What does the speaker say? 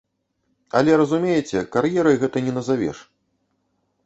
Але, разумееце, кар'ерай гэта не назавеш.